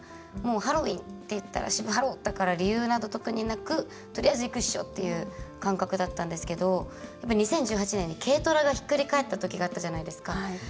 ハロウィーンっていったら渋ハロだから理由など特になくとりあえず行くっしょっていう感覚だったんですけど２０１８年に、軽トラがひっくり返った時があったじゃないですか。